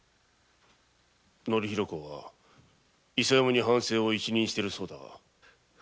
松前公は伊佐山に藩政を一任しているそうだが？